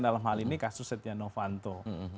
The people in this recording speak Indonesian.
dalam hal ini kasus setia novanto